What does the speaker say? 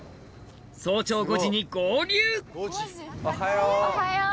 早朝５時に合流おはよう！